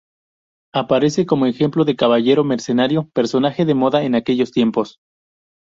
Aparece como ejemplo de caballero mercenario, personaje de moda en aquellos tiempos.